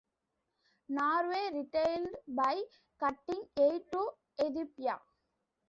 Norway retaliated by cutting aid to Ethiopia.